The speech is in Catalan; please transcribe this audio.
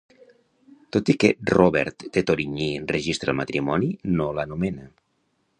Tot i que Robert de Torigny registra el matrimoni, no l'anomena.